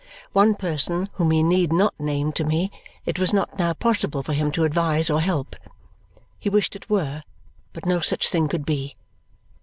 One person whom he need not name to me, it was not now possible for him to advise or help. He wished it were, but no such thing could be.